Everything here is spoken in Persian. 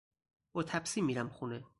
با تپسی میرم خونه